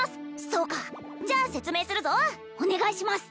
そうかじゃあ説明するぞお願いします